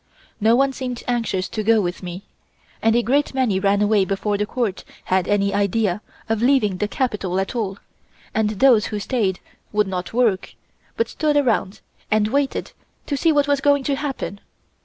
No one seemed anxious to go with me, and a great many ran away before the Court had any idea of leaving the Capital at all, and those who stayed would not work, but stood around and waited to see what was going to happen.